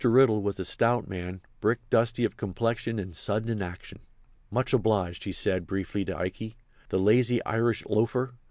Riddle was a stout man, brick dusty of complexion and sudden in action. "Much obliged," he said, briefly, to Ikey. "The lazy Irish loafer!